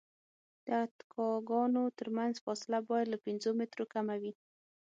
د اتکاګانو ترمنځ فاصله باید له پنځو مترو کمه وي